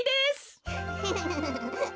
フフフフ。